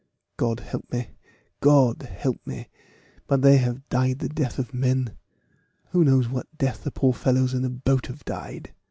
"God help me! Gold help me! but they have died the death of men. Who knows what death the poor fellows in the boat have died!"